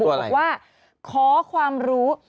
บอกว่าขอความรู้